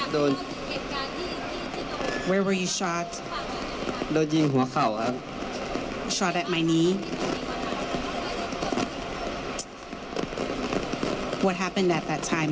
โดนหัวเข่าครับ